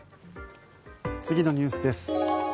次のニュースです。